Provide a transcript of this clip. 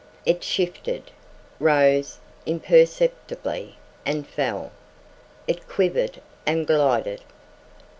It shifted, rose imperceptibly and fell. It quivered and glided....